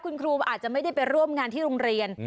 คุณครูอาจจะไม่ได้ไปร่วมงานที่โรงเรียน